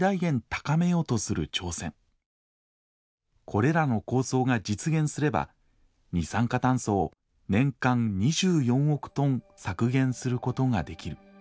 これらの構想が実現すれば二酸化炭素を年間２４億トン削減することができる。